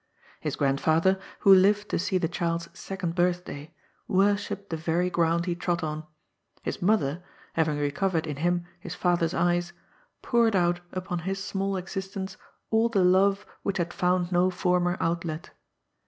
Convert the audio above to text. His grandfather, who lived to see the child's second birthday, worshipped the very ground he trod on. His mother, having recovered in him his father's eyes, poured out upon his small existence all the love which had found no former outlet.